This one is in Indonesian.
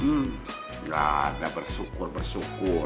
hmm ya udah bersyukur bersyukur